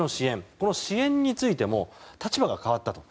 この支援についても立場が変わったと。